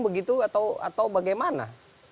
begitu atau bagaimana